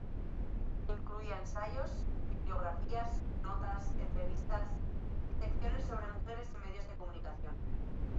Incluía ensayos, bibliografías, notas, entrevistas, y secciones sobre mujeres y medios de comunicación.